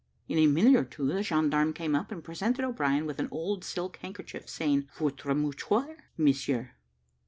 In a minute or two, the gendarme came up and presented O'Brien with an old silk handkerchief, saying, "Votre mouchoir, monsieur."